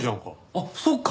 あっそうか。